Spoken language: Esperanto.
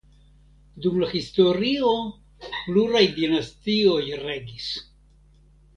Dum la historio pluraj dinastioj regis.